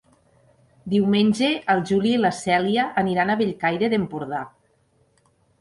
Diumenge en Juli i na Cèlia aniran a Bellcaire d'Empordà.